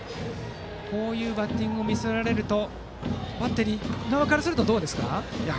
こういうバッティングを見せられるとバッテリー側からするとどうですか？